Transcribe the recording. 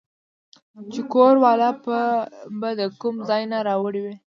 چې کور والا به د کوم ځاے نه راوړې وې